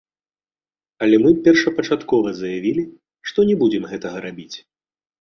Але мы першапачаткова заявілі, што не будзем гэтага рабіць.